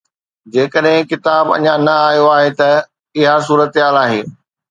جيڪڏهن ڪتاب اڃا نه آيو آهي ته اها صورتحال آهي.